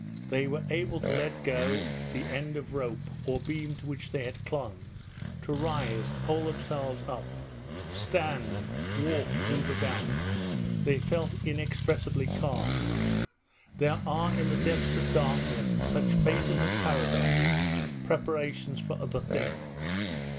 They were able to let go the end of rope or beam to which they had clung, to rise, hold themselves up, stand, walk, move about. They felt inexpressibly calmed. There are in the depths of darkness such phases of paradise, preparations for other things.